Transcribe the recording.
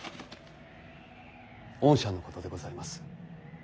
恩赦のことでございます。